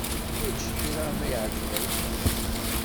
Ečč kra ma iɛǧeb-ak.